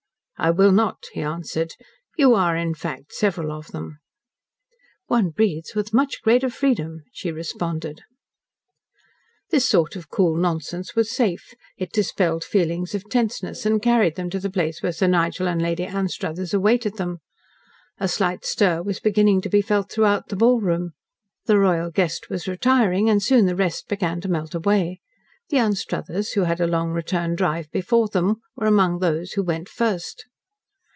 "I will not," he answered. "You are, in fact, several of them." "One breathes with much greater freedom," she responded. This sort of cool nonsense was safe. It dispelled feelings of tenseness, and carried them to the place where Sir Nigel and Lady Anstruthers awaited them. A slight stir was beginning to be felt throughout the ballroom. The royal guest was retiring, and soon the rest began to melt away. The Anstruthers, who had a long return drive before them, were among those who went first.